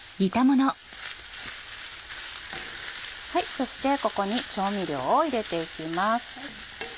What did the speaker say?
そしてここに調味料を入れて行きます。